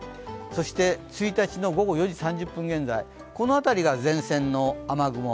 そして１日の午後４時３０分現在、この辺りが前線の雨雲。